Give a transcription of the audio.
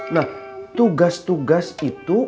nah tugas tugas itu